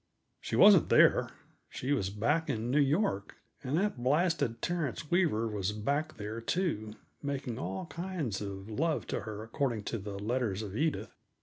She wasn't there; she was back in New York, and that blasted Terence Weaver was back there, too, making all kinds of love to her according to the letters of Edith.